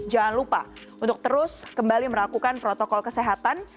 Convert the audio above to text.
jangan lupa untuk terus kembali melakukan protokol kesehatan